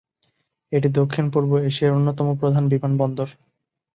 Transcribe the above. এটি দক্ষিণ-পূর্ব এশিয়ার অন্যতম প্রধান বিমানবন্দর।